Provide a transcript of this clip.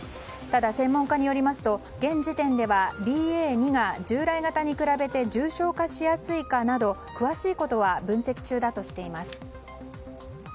ただ、専門家によりますと現時点ではＢＡ．２が従来型に比べて重症化しやすいかなど詳しいことは分析中だとしています。